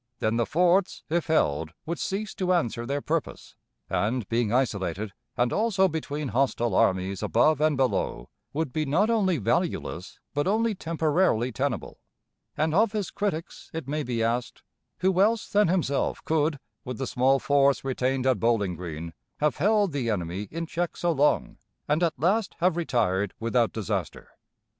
Then the forts, if held, would cease to answer their purpose, and, being isolated, and also between hostile armies above and below, would be not only valueless but only temporarily tenable; and of his critics it may be asked, Who else than himself could, with the small force retained at Bowling Green, have held the enemy in check so long, and at last have retired without disaster?